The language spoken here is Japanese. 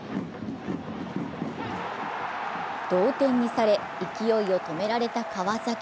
同点にされ、勢いを止められた川崎。